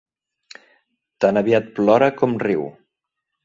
Tan aviat plora com riu.